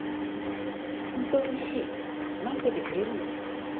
本当に待っててくれるの？